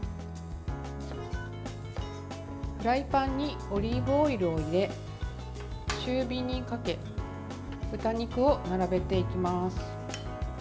フライパンにオリーブオイルを入れ中火にかけ豚肉を並べていきます。